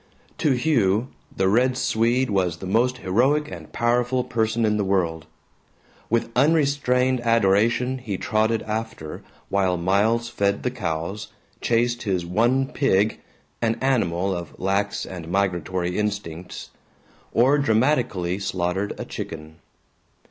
To Hugh, the Red Swede was the most heroic and powerful person in the world. With unrestrained adoration he trotted after while Miles fed the cows, chased his one pig an animal of lax and migratory instincts or dramatically slaughtered a chicken.